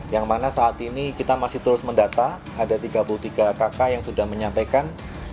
yang mana saat ini kita masih terus mendata ada tiga puluh tiga kakak yang sudah menyampaikan